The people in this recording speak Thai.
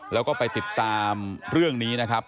แล้วก็ไปติดตามเรื่องนี้นะครับ